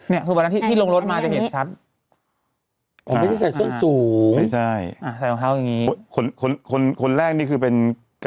เนี่ยคือวันนั้นที่ลงรถมาจะเห็นชัด